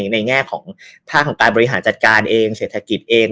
ในแง่ของท่าของการบริหารจัดการเองเศรษฐกิจเอง